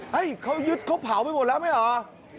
เขายึดเขาเผาไปหมดแล้วไม่เหรอ